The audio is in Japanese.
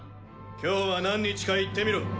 今日は何日か言ってみろ！